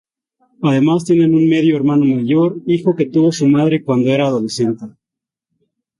Además tiene un medio hermano mayor, hijo que tuvo su madre cuando era adolescente.